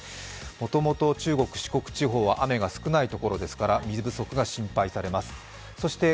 もともと中国・四国地方は雨が少ないところですから水不足が心配されます。